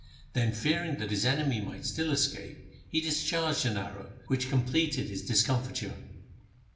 Then fearing that his enemy might still escape, he dis charged an arrow, which completed his discom fiture.